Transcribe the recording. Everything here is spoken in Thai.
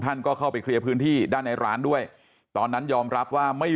ท่านก็เข้าไปเคลียร์พื้นที่ด้านในร้านด้วยตอนนั้นยอมรับว่าไม่